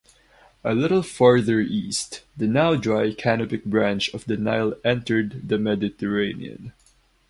A little farther east, the now-dry Canopic branch of the Nile entered the Mediterranean.